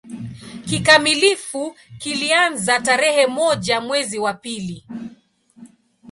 Kikamilifu kilianza tarehe moja mwezi wa pili